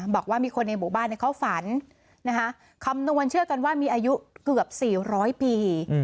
บอกว่ามีคนในหมู่บ้านเขาฝันนะคะคำนวณเชื่อกันว่ามีอายุเกือบ๔๐๐ปี